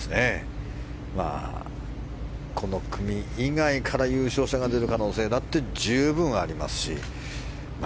この組以外から優勝者が出る可能性だって十分ありますし。